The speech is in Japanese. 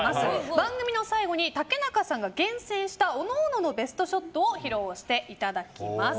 番組の最後に竹中さんが厳選した各々のベストショットを披露していただきます。